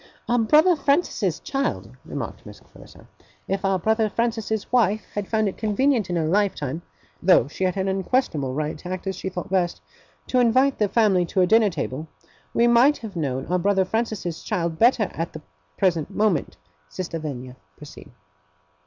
'Our brother Francis's child,' remarked Miss Clarissa. 'If our brother Francis's wife had found it convenient in her lifetime (though she had an unquestionable right to act as she thought best) to invite the family to her dinner table, we might have known our brother Francis's child better at the present moment. Sister Lavinia, proceed.